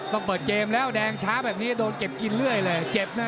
ต้องเปิดเกมแล้วแดงช้าแบบนี้โดนเก็บกินเรื่อยเลยเจ็บนะ